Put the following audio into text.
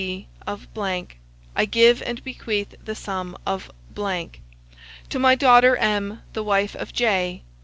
B., of , I give and bequeath the sum of ; to my daughter M., the wife of J.